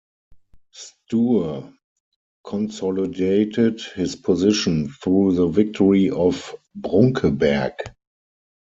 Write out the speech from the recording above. Sture consolidated his position through the victory of Brunkeberg.